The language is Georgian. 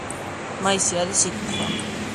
მაისი არის ,იქუხა.